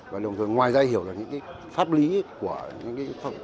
và đồng thời ngoài ra hiểu được những pháp lý của những tài liệu này